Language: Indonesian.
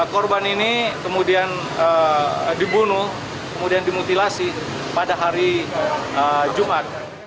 korban ini kemudian dibunuh kemudian dimutilasi pada hari jumat